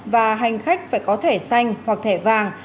và hành khách phải có thẻ xanh hoặc thẻ vàng